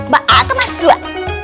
bakak ke masuk